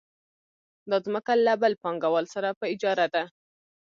دا ځمکه له بل پانګوال سره په اجاره ده